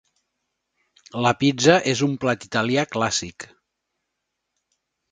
La pizza és un plat italià clàssic.